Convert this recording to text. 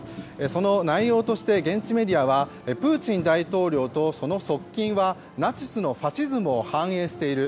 その内容として現地メディアはプーチン大統領とその側近はナチスのファシズムを反映している。